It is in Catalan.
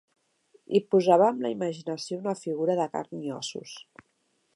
Hi posava amb la imaginació una figura de carn i ossos.